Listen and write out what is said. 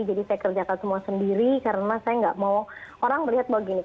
jadi saya kerjakan semua sendiri karena saya gak mau orang melihat bahwa gini